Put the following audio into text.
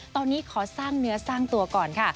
ตอนนี้ขอสร้างเนื้อสร้างตัวก่อนค่ะ